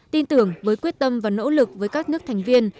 tin tưởng với quyết tâm và nỗ lực với các nước thành viên